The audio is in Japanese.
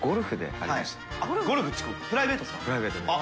プライベートで。